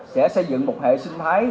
sẽ xây dựng một hệ sinh thái